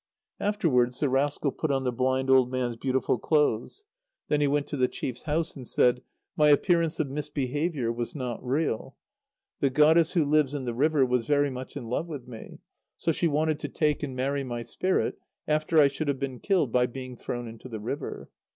Afterwards the rascal put on the blind old man's beautiful clothes. Then he went to the chief's house and said: "My appearance of misbehaviour was not real. The goddess who lives in the river was very much in love with me. So she wanted to take and marry my spirit after I should have been killed by being thrown into the river.